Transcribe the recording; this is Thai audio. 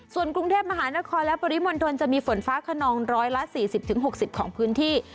ส่วนกรุงเทพมหานครและปริมณฑลจะมีฝนฟ้าขนอง๑๔๐๖๐ของพื้นที่